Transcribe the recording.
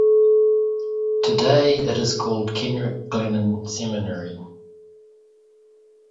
Today it is called Kenrick-Glennon Seminary.